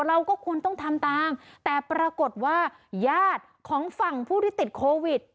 เราก็ควรต้องทำตามแต่ปรากฏว่าญาติของฝั่งผู้ที่ติดโควิด